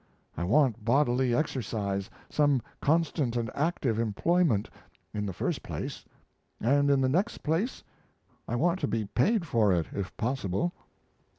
I want bodily exercise some constant and active employment, in the first place; and, in the next place, I want to be paid for it, if possible.